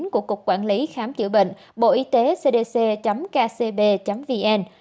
của cục quản lý khám chữa bệnh bộ y tế cdc kcb vn